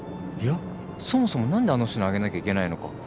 いやそもそも何であの人にあげなきゃいけないのか。